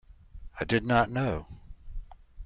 I did not know.